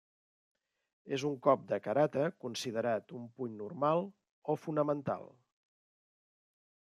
És un cop de karate considerat un puny normal o fonamental.